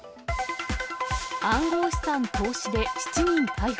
暗号資産投資で７人逮捕。